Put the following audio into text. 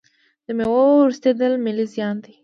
د میوو ورستیدل ملي زیان دی.